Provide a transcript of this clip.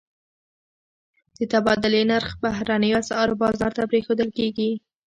د تبادلې نرخ بهرنیو اسعارو بازار ته پرېښودل کېږي.